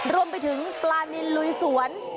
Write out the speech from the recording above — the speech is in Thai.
รวมไปถึงปลานินลุยสวน